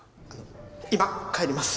今帰ります。